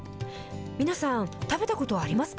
皆さん、食べたことありますか？